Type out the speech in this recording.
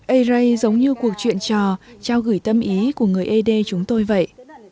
ây rây giống như cuộc chuyện trò trao gửi tâm ý của người ế đê chúng tôi vậy